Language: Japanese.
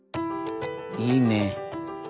いいね。